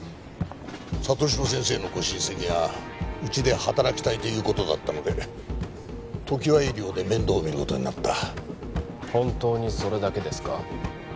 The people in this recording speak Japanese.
里城先生のご親戚がうちで働きたいということだったので常盤医療で面倒見ることになった本当にそれだけですか？